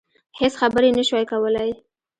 هېڅ خبرې يې نشوای کولای.